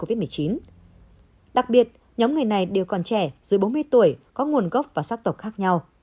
covid một mươi chín đặc biệt nhóm người này đều còn trẻ dưới bốn mươi tuổi có nguồn gốc và xác tộc khác nhau